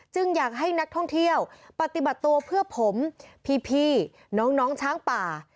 อยากให้นักท่องเที่ยวปฏิบัติตัวเพื่อผมพี่น้องช้างป่า